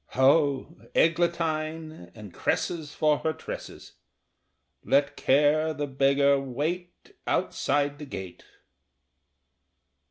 Ho, eglantine and cresses For her tresses! Let Care, the beggar, wait Outside the gate.